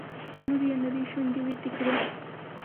لور يې نرۍ شونډې ويتې کړې.